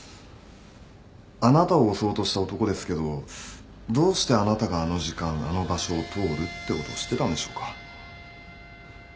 あなたを襲おうとした男ですけどどうしてあなたがあの時間あの場所を通るってことを知ってたんでしょうか？